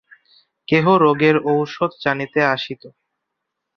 কেহ রোগের ঔষধ জানিতে আসিত।